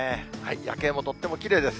夜景もとってもきれいです。